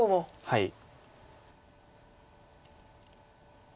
はい。